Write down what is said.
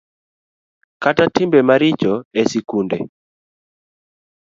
Kata timbe maricho e sikunde